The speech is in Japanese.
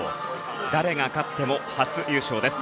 誰が勝っても初優勝です。